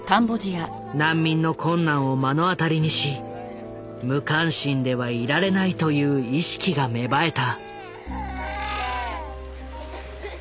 難民の困難を目の当たりにし無関心ではいられないという意識が芽生えた。